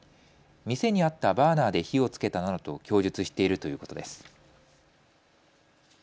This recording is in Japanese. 店にあったバーナーで火をつけたなどと供述しているということです。